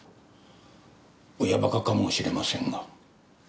親バカかもしれませんが。